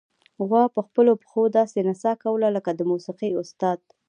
غوا په خپلو پښو داسې نڅا کوي لکه د موسیقۍ استاد.